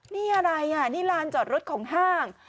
นี่อะไรอ่ะนี่ลานจอดรถของห้าง